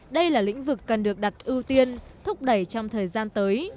đây là lĩnh vực cần được đặt ưu tiên thúc đẩy trong thời gian tới